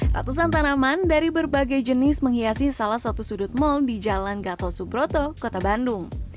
ratusan tanaman dari berbagai jenis menghiasi salah satu sudut mal di jalan gatot subroto kota bandung